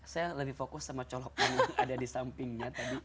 saya lebih fokus sama colok yang ada di sampingnya tadi